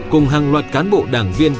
cùng hàng loạt cán bộ đảng viên